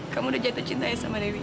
kamu udah jatuh cinta ya sama dewi